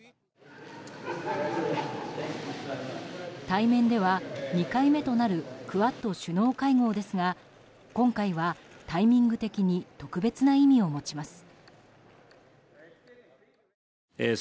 対面では２回目となるクアッド首脳会合ですが今回はタイミング的に特別な意味を持ちます。